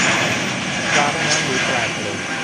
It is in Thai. ปลาแม่น้ำหรือปลาทะเล